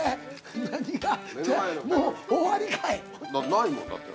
ないもんだって。